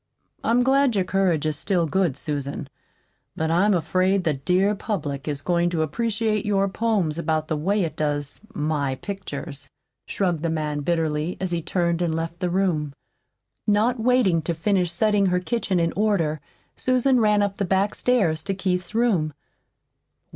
"I'm glad your courage is still good, Susan; but I'm afraid the dear public is going to appreciate your poems about the way it does my pictures," shrugged the man bitterly, as he turned and left the room. Not waiting to finish setting her kitchen in order, Susan ran up the back stairs to Keith's room.